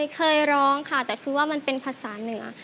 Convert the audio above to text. เคยร้องค่ะแต่คือว่ามันเป็นภาษาเหนือ